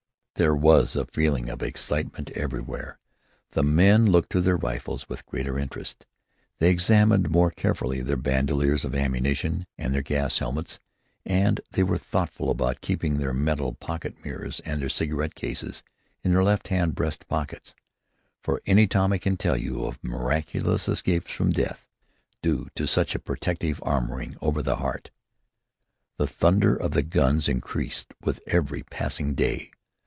There was a feeling of excitement everywhere. The men looked to their rifles with greater interest. They examined more carefully their bandoliers of ammunition and their gas helmets; and they were thoughtful about keeping their metal pocket mirrors and their cigarette cases in their left hand breast pockets, for any Tommy can tell you of miraculous escapes from death due to such a protective armoring over the heart. The thunder of guns increased with every passing day.